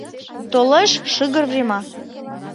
Толеш шыгыр врема